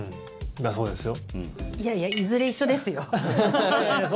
だそうですよ。